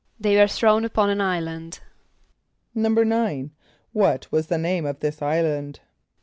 =They were thrown upon an island.= =9.= What was the name of this island?